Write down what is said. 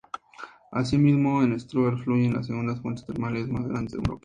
Asimismo, en Stuttgart fluyen las segundas fuentes termales más grandes de Europa.